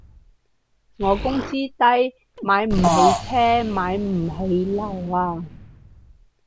我工資低，買唔起車買唔起樓啊